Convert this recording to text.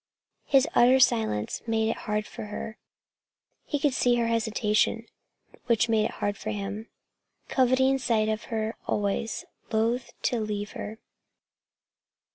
His utter silence made it hard for her. He could see her hesitation, which made it hard for him, coveting sight of her always, loath to leave her.